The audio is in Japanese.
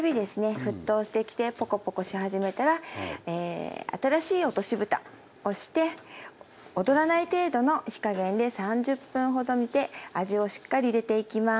沸騰してきてポコポコし始めたら新しい落としぶたをして躍らない程度の火加減で３０分ほど煮て味をしっかり入れていきます。